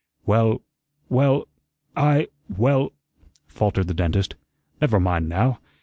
"Well well I well " faltered the dentist. "Never mind now.